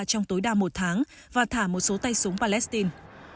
trong tối đa một tháng và thả một số tay súng palestine